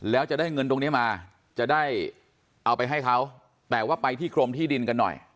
แล้วจะได้เงินตรงนี้มาจะได้เอาไปให้เขาแต่ว่าไปที่กรมที่ดินกันหน่อย